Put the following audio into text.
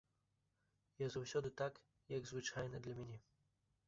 Я заўсёды так, як звычайна для мяне.